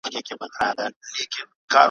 نه مي لاس د چا په وینو دی لړلی ,